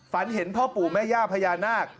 ฝันเห็นพ่อปู่แม่ย่าพญานาค